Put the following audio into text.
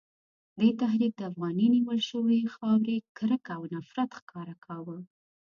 دې تحریک د افغاني نیول شوې خاورې کرکه او نفرت ښکاره کاوه.